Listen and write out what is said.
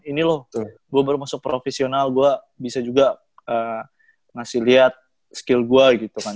ini loh gue baru masuk profesional gue bisa juga ngasih lihat skill gue gitu kan